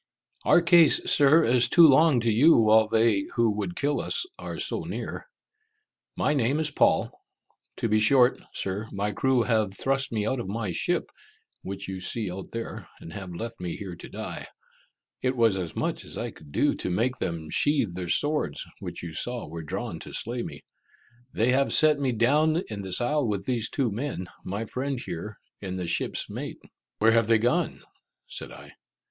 "Our case, Sir, is too long to you while they who would kill us are so near. My name is Paul. To be short, Sir, my crew have thrust me out of my ship, which you see out there, and have left me here to die. It was as much as I could do to make them sheath their swords, which you saw were drawn to slay me. They have set me down in this isle with these two men, my friend here, and the ship's mate." "Where have they gone?" said I.